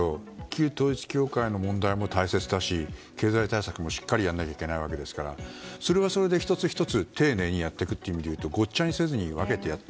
旧統一教会の問題も大切だし経済対策もしっかりやらなきゃいけないわけですからそれはそれで１つ１つ丁寧にやっていくごっちゃにせずにやっていく。